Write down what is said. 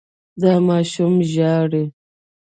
دا ماشوم ژاړي.